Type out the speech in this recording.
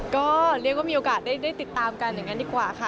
ก็เรียกว่ามีโอกาสได้ติดตามกันอย่างนั้นดีกว่าค่ะ